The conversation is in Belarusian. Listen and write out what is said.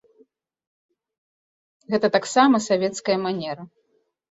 Гэта таксама савецкая манера.